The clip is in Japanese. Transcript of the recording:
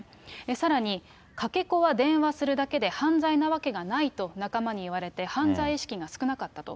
さらに、かけ子は電話するだけで犯罪なわけがないと仲間に言われて、犯罪意識が少なかったと。